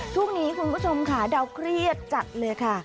ช่วงนี้คุณผู้ชมค่ะดาวเครียดจัดเลยค่ะ